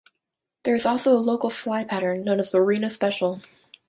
There is also a local fly pattern known as the Renous Special.